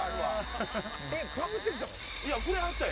パクって来たん？